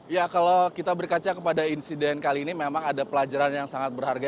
ya kalau kita berkaca kepada insiden kali ini memang ada pelajaran yang sangat berharga